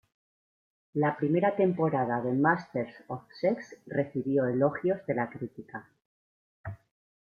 La primera temporada de Masters of Sex recibió elogios de la crítica.